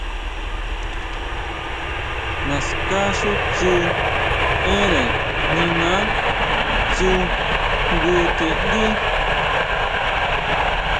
Naská xu tsú énnre niná tsú jngu ti ndí.